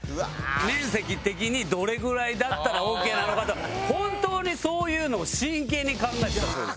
面積的にどれぐらいだったらオーケーなのかとか本当にそういうのを真剣に考えて。